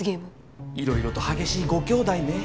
いろいろと激しいご兄妹ねえ。